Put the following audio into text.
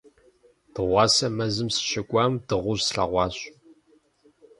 Дыгъуасэ мэзым сыщыкӀуам дыгъужь слъэгъуащ.